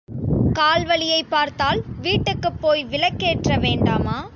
கால் வலியைப் பார்த்தால் வீட்டுக்குப் போய் விளக்கேற்ற வேண்டாமா?